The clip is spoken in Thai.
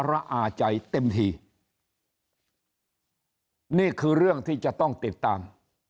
ระอาใจเต็มทีนี่คือเรื่องที่จะต้องติดตาม